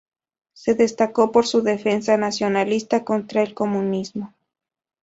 Se destacó por su defensa nacionalista contra el comunismo.